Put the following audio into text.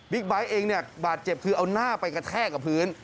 บิ๊กไบท์เองบาดเจ็บคือเอาหน้าไปกระแทกกับพื้น